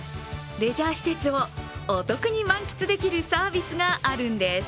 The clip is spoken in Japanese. レジャー施設をお得に満喫できるサービスがあるんです。